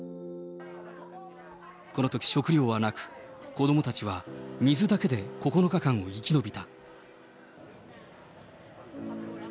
このとき食料はなく、子どもたちは水だけで９日間を生き延びた。